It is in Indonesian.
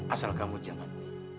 asal kamu jangan